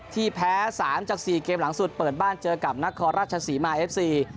ที่แพ้๓จาก๔เกมหลังสุดเปิดบ้านเจอกับนครราชศรีมาเอฟซี